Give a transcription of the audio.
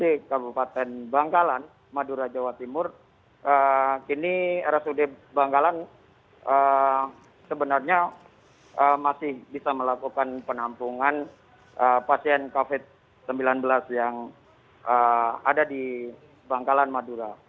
di kabupaten bangkalan madura jawa timur kini rsud bangkalan sebenarnya masih bisa melakukan penampungan pasien covid sembilan belas yang ada di bangkalan madura